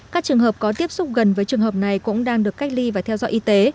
các trường hợp có tiếp xúc gần với trường hợp này cũng đang được cách ly và theo dõi y tế